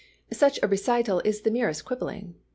Such a recital is the merest quibbling.